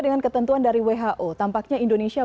dengan ketentuan dari who tampaknya indonesia